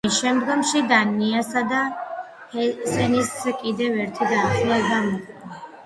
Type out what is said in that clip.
ამას შემდგომში დანიისა და ჰესენის კიდევ უფრო დაახლოვება მოჰყვა.